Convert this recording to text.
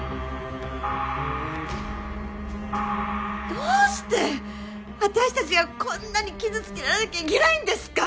どうして私たちがこんなに傷つけられなきゃいけないんですか！